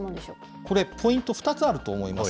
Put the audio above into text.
これ、ポイント、２つあると思います。